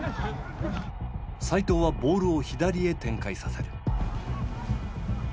齋藤はボールを左へ展開させる。